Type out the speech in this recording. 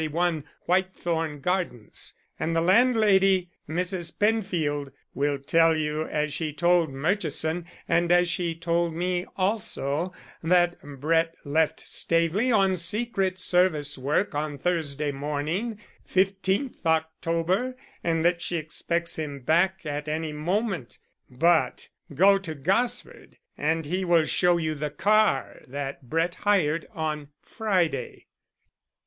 41 Whitethorn Gardens and the landlady, Mrs. Penfield, will tell you as she told Murchison, and as she told me also, that Brett left Staveley on secret service work on Thursday morning, 15th October, and that she expects him back at any moment. But go to Gosford and he will show you the car that Brett hired on Friday.